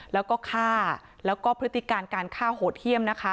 แล้วก็ฆ่าแล้วก็พฤติการการฆ่าโหดเยี่ยมนะคะ